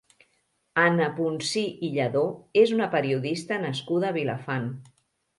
Anna Punsí i Lladó és una periodista nascuda a Vilafant.